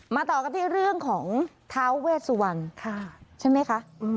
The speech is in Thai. ต่อกันที่เรื่องของท้าเวสวรรณใช่ไหมคะ